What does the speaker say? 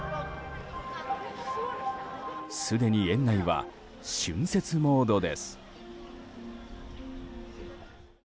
すでに園内は春節モードです。